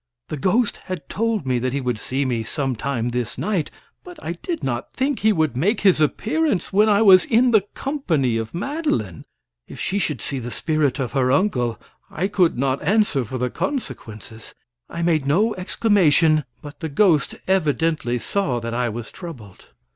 The ghost had told me that he would see me some time this night, but I did not think he would make his appearance when I was in the company of Madeline. If she should see the spirit of her uncle, I could not answer for the consequences. I made no exclamation, but the ghost evidently saw that I was troubled.